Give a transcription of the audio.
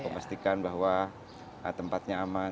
memastikan bahwa tempatnya aman